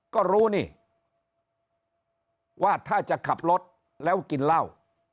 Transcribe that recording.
ก็รู้นี่ว่าถ้าจะขับรถแล้วกินเหล้า